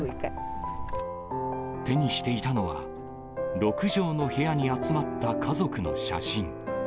手にしていたのは、６畳の部屋に集まった家族の写真。